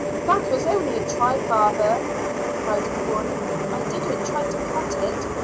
"That was only a try, father," replied the boy; "I didn't try to cut it.